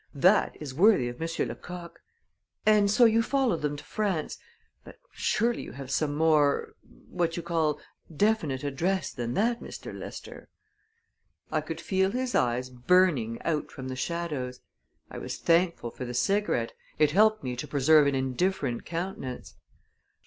That is worthy of Monsieur Lecoq. And so you follow them to France but, surely, you have some more what you call definite address than that, Mistair Lester!" I could feel his eyes burning out from the shadows; I was thankful for the cigarette it helped me to preserve an indifferent countenance.